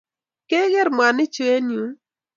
Kegeer miwanik chu eng yuu